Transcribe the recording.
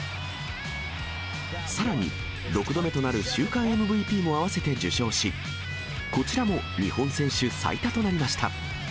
さらに、６度目となる週間ＭＶＰもあわせて受賞し、こちらも日本選手最多となりました。